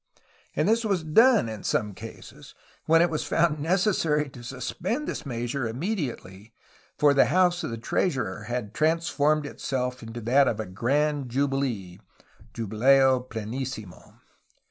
And this was done in some cases, when it was found necessary to suspend this measure inunediately, for the house of the treasurer had trans formed itself into that of a grand jubilee (jubileo plemsimo).